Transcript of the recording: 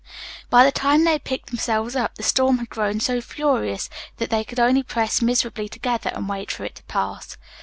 By the time they had picked themselves up the storm had grown so furious that they could only press miserably together and wait for it to pass.